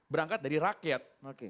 berangkat dari rakyat